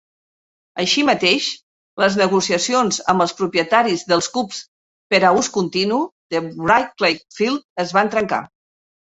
Així mateix, les negociacions amb els propietaris dels Cubs per a l'ús continu de Wrigley Field es van trencar.